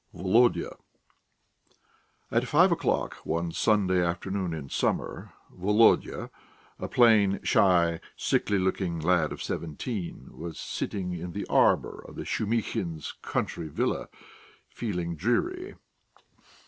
VOLODYA AT five o'clock one Sunday afternoon in summer, Volodya, a plain, shy, sickly looking lad of seventeen, was sitting in the arbour of the Shumihins' country villa, feeling dreary.